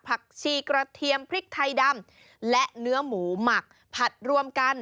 ผักชีกระเทียมพริกไทยดำและเนื้อหมูหมักผัดรวมกัน